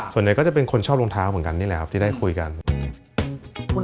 ส่วนใหญ่ก็จะเป็นคนชอบรองเท้าเหมือนกันนี่แหละครับ